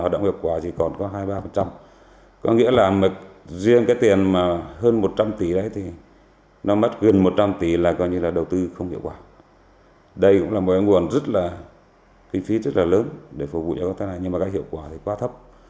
đây cũng là một nguồn rất là kinh phí rất là lớn để phục vụ cho công tác này nhưng mà cái hiệu quả thì quá thấp